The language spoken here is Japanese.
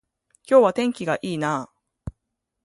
今日は天気が良いなあ